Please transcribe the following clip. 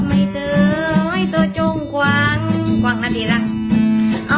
ไม่เจอให้ตัวจงควางควังนั้นสิล่ะ